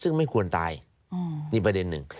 ซึ่งไม่ควรตายนี่ประเด็นหนึ่ง